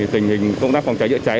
tình hình công tác phòng cháy chữa cháy